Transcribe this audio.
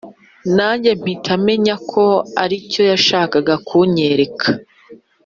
najye mpita menya ko aricyo yashakaga kunyereka!